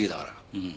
うん。